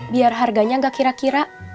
biar harganya gak kira kira